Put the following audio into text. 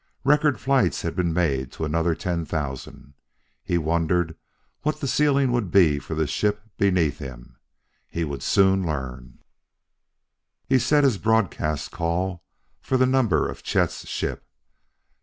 Record flights had been made to another ten thousand.... He wondered what the ceiling would be for the ship beneath him. He would soon learn.... He set his broadcast call for the number of Chet's ship.